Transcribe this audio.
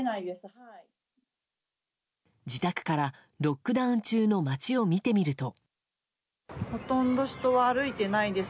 自宅からロックダウン中の街を見てみると。